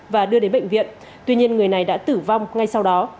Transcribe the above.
và đưa đến bệnh viện tuy nhiên người này đã tử vong ngay sau đó